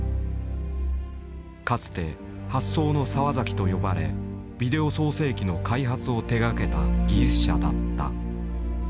かつて「発想の澤崎」と呼ばれビデオ創成期の開発を手がけた技術者だった。